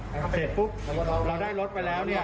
เสร็จปุ๊บเราได้รถไปแล้วเนี่ย